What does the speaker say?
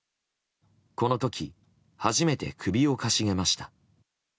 この時、初めて首をかしげました。